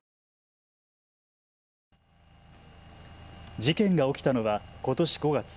事件が起きたのはことし５月。